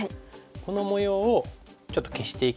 この模様をちょっと消していきたい。